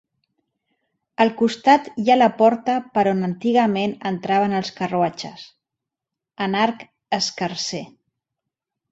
Al costat hi ha la porta per on antigament entraven els carruatges, en arc escarser.